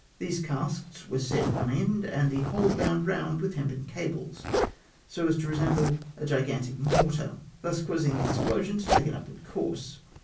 These casks were set on end, and the whole bound round with hempen cables, so as to resemble a gigantic mor tar, thus causing the explosion to take an upward course.